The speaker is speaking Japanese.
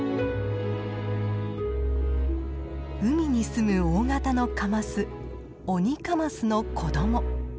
海に住む大型のカマスオニカマスの子ども。